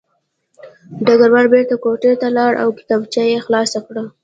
ډګروال بېرته کوټې ته لاړ او کتابچه یې خلاصه کړه